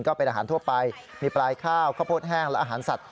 ก็เป็นอาหารทั่วไปมีปลายข้าวข้าวโพดแห้งและอาหารสัตว